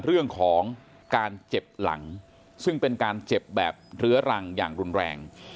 เรื่องของการเจ็บหลังซึ่งเป็นการเจ็บแบบเรื้อรังอย่างรุนแรง